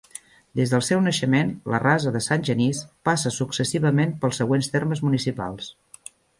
Des del seu naixement, la Rasa de Sant Genís passa successivament pels següents termes municipals.